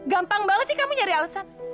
gampang banget sih kamu nyari alasan